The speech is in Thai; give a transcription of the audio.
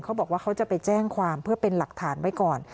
เขาบอกว่าเขาจะไปแจ้งความเพื่อเป็นหลักฐานไว้ก่อน